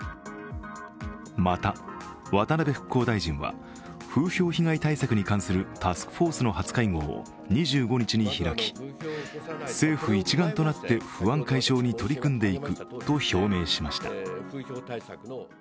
また、渡辺復興大臣は風評被害対策に関するタスクフォースの初会合を２５日に開き政府一丸となって不安解消に取り組んでいくと表明しました。